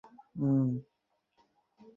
জানি না শ্বশুরবাড়ির লোকদের মুখোমুখি হব কীভাবে?